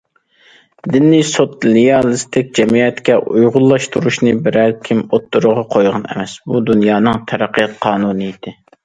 دىننى سوتسىيالىستىك جەمئىيەتكە ئۇيغۇنلاشتۇرۇشنى بىرەر كىم ئوتتۇرىغا قويغان ئەمەس، بۇ دۇنيانىڭ تەرەققىيات قانۇنىيىتى.